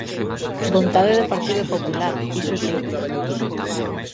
Vontade do Partido Popular, iso si.